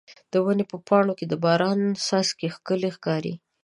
د ونې په پاڼو کې د باران څاڅکي ښکلي ښکاري.